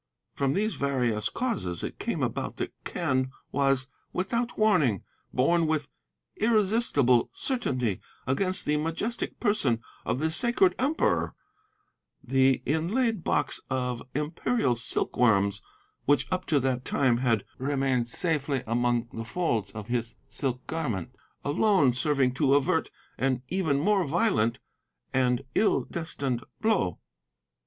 From these various causes it came about that Quen was, without warning, borne with irresistible certainty against the majestic person of the sacred Emperor, the inlaid box of Imperial silkworms, which up to that time had remained safely among the folds of his silk garment, alone serving to avert an even more violent and ill destined blow.